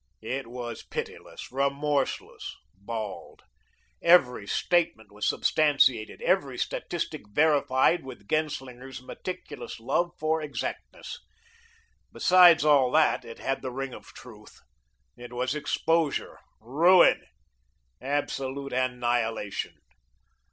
It was pitiless, remorseless, bald. Every statement was substantiated, every statistic verified with Genslinger's meticulous love for exactness. Besides all that, it had the ring of truth. It was exposure, ruin, absolute annihilation.